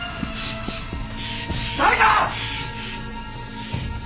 誰か！